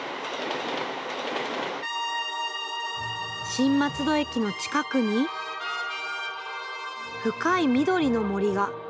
新松戸駅の近くに深い緑の森が。